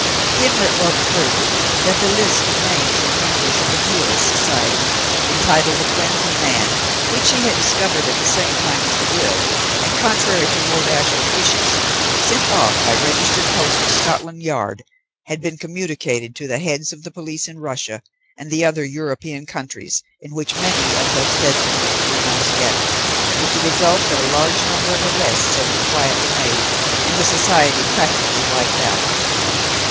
Gimblet wrote, further, that the list of names of members of the Nihilist society entitled the "Friends of Man" which he had discovered at the same time as the will and, contrary to Lord Ashiel's wishes, sent off by registered post to Scotland Yard, had been communicated to the heads of the police in Russia and the other European countries in which many of those designated were now scattered, with the result that a large number of arrests had been quietly made, and the society practically wiped out.